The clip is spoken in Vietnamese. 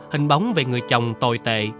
hình bóng về người chồng tồi tệ